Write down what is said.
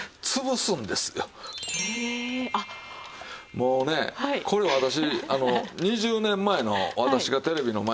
もうねこれ私２０年前の私がテレビの前。